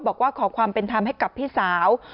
บอกว่าขอความเป็นธรรมให้กับพี่สาว